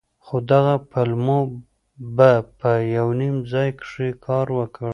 خو دغو پلمو به په يو نيم ځاى کښې کار وکړ.